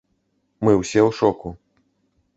Мы ўсе ў шоку.